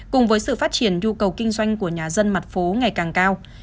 cùng với sự phát triển nhu cầu kinh doanh của nhà dân mặt phố ngày càng cao